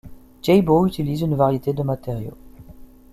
Jaybo utilise une variété de matériaux.